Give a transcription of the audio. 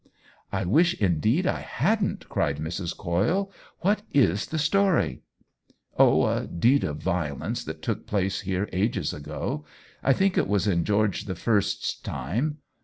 "I wish, indeed, I hadn't!" cried Mrs. Coyle. " What is the story ?" "Oh, a deed of violence that took place here ages ago. I think it was in George the First's time.